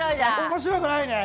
面白くないね。